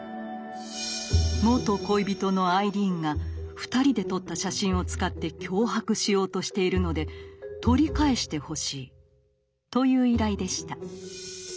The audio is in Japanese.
「元恋人のアイリーンが二人で撮った写真を使って脅迫しようとしているので取り返してほしい」という依頼でした。